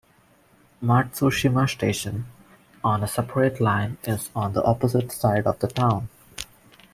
Matsushima Station, on a separate line is on the opposite side of the town.